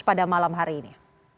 pada malam hari ini